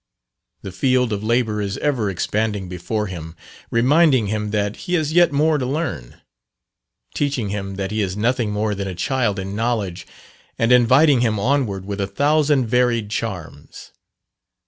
The field of labour is ever expanding before him, reminding him that he has yet more to learn; teaching him that he is nothing more than a child in knowledge, and inviting him onward with a thousand varied charms.